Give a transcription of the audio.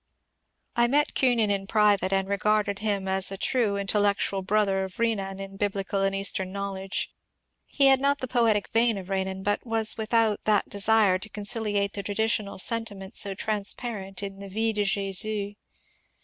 I met Kuenen in private and regarded him as a true in tellectual brother of Benan in Biblical and Eastern knowledge. He had not the poetic vein of Benan, but was without that desire to conciliate traditional sentiment so transparent in the " Vie de Jesus."